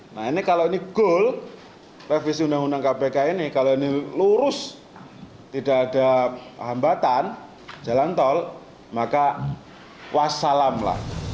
nah ini kalau ini goal revisi undang undang kpk ini kalau ini lurus tidak ada hambatan jalan tol maka wassalamlah